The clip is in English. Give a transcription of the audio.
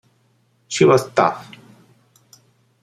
She was tough.